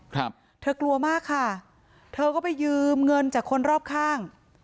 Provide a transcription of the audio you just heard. ครับเธอกลัวมากค่ะเธอก็ไปยืมเงินจากคนรอบข้าง